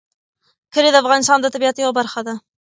کلي د افغانستان د طبیعت برخه ده.